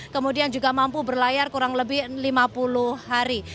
kemudian juga mampu berlayar kurang lebih lima puluh hari